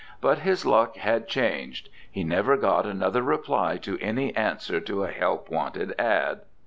But his luck had changed; he never got another reply to any answer to a help wanted "ad."